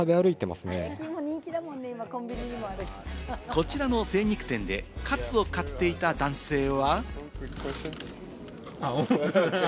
こちらの精肉店でカツを買っていた男性は。